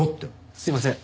すいません。